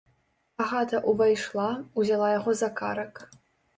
Агата ўвайшла, узяла яго за карак.